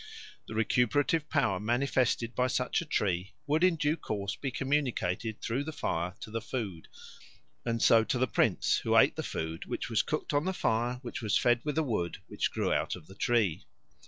The recuperative power manifested by such a tree would in due course be communicated through the fire to the food, and so to the prince, who ate the food which was cooked on the fire which was fed with the wood which grew out of the tree.